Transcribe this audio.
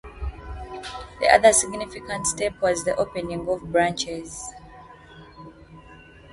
The other significant step was the opening of branches.